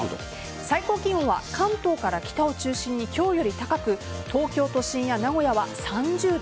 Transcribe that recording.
最高気温は関東から北を中心に今日より高く東京都心や名古屋は３０度。